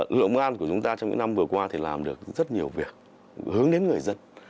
lực lượng công an của chúng ta trong những năm vừa qua thì làm được rất nhiều việc hướng đến người dân